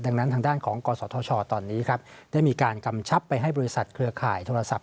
ดังนั้นทางด้านของกศธชตอนนี้ครับได้มีการกำชับไปให้บริษัทเครือข่ายโทรศัพ